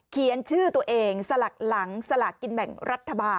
เขียนชื่อตัวเองสลักหลังสลากกินแบ่งรัฐบาล